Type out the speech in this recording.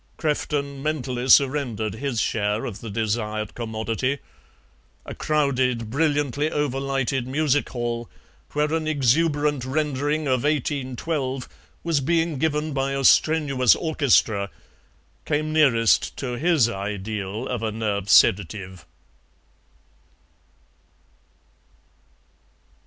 Crefton mentally surrendered his share of the desired commodity. A crowded, brilliantly over lighted music hall, where an exuberant rendering of "1812" was being given by a strenuous orchestra, came nearest to his ideal of a nerve sedative.